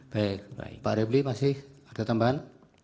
baik pak rebly masih ada tambahan